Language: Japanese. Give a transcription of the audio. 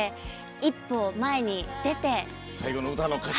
一歩前に出て。